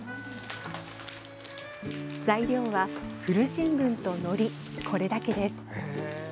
材料は古新聞と、のりこれだけです。